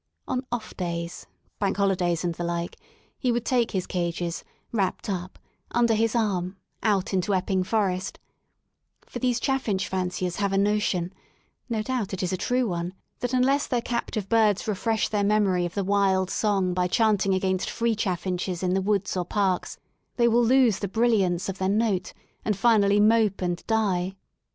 On off days, bank holidays and the like, he would take his cages, wrapped up, under his arm, out into Epping ForesL For these chaffinch fanciers have a notion — no doubt it is a true one — that unless their captive birds refresh their memory of the wild song by chanting against free chaffinches in the woods or parks, they will lose the brilliance of their note, and finally mope and die.